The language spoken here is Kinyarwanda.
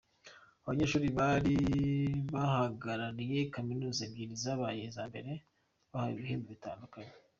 Abanyeshuri bari bahagarariye kaminuza ebyiri zabaye iza mbere bahawe ibihembo bitandukanye.